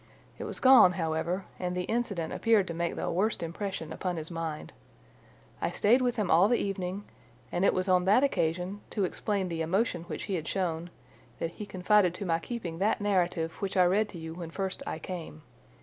It was gone, however, and the incident appeared to make the worst impression upon his mind. I stayed with him all the evening, and it was on that occasion, to explain the emotion which he had shown, that he confided to my keeping that narrative which I read to you when first I came.